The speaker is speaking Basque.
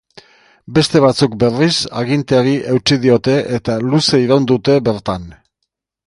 Beste batzuk berriz aginteari eutsi diote eta luze iraun dute bertan.